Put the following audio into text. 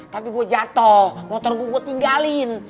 tapi gue jatuh motor gue tinggalin